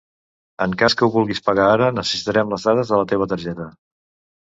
En cas que ho vulguis pagar ara necessitarem les dades de la teva targeta.